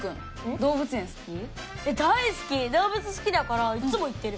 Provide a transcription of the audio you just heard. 動物好きだからいっつも行ってる。